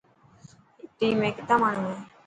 هيڪ ٽيم ۾ ڪتا ماڻهو هي.